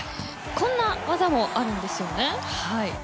こんな技もあるんですよね。